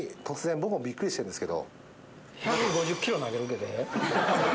僕もびっくりしてるんですけど。